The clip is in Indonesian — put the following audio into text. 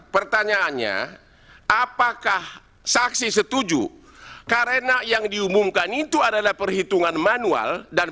pertanyaannya apakah saksi setuju karena yang diumumkan itu adalah perhitungan manual dan